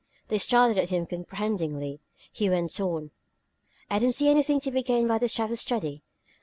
They stared at him uncomprehendingly; he went on: "I don't see anything to be gained by this type of study.